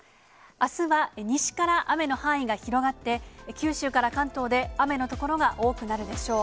あすは西から雨の範囲が広がって、九州から関東で雨の所が多くなるでしょう。